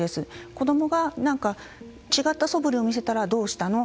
子どもが違ったそぶりを見せたら「どうしたの？」